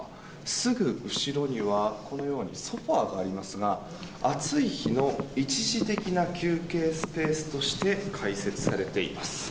すぐ後ろにはこのようにソファがありますが暑い日の一時的な休憩スペースとして開設されています。